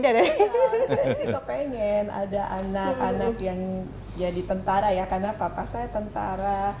iya jadi kok pengen ada anak anak yang jadi tentara ya karena papa saya tentara